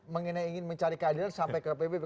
mengenai ingin mencari keadilan sampai ke pbb